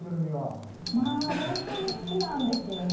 ホントに好きなんですよね。